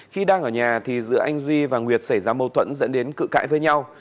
khi đang ở nhà thì giữa anh duy và nguyệt xảy ra mâu thuẫn dẫn đến cự cãi với nhau